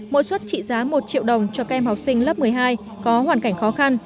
mỗi suất trị giá một triệu đồng cho các em học sinh lớp một mươi hai có hoàn cảnh khó khăn